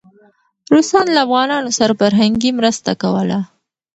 روسان له افغانانو سره فرهنګي مرسته کوله.